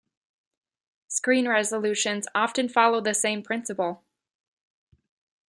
Screen resolutions often follow the same principle.